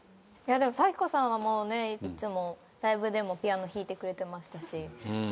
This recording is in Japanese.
でも咲子さんはいつもライブでもピアノ弾いてくれてましたし。